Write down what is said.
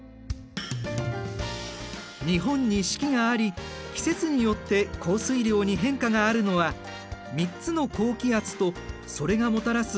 日本に四季があり季節によって降水量に変化があるのは３つの高気圧とそれがもたらす